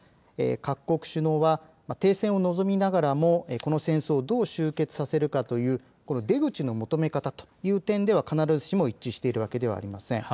各国首脳は、停戦を望みながらもこの戦争をどう終決させるかという出口の求め方という点では必ずしも一致しているわけではありません。